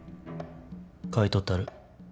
買い取ったる。